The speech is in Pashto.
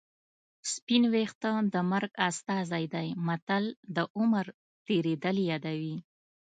سپین ویښته د مرګ استازی دی متل د عمر تېرېدل یادوي